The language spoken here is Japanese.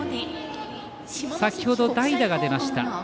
先程、代打が出ました。